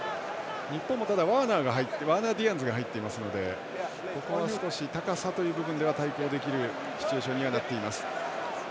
日本もワーナー・ディアンズが入っていますので高さという部分では対抗できるシチュエーションにはなっています。